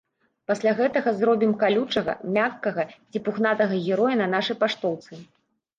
Пасля гэтага зробім калючага, мяккага ці пухнатага героя на нашай паштоўцы.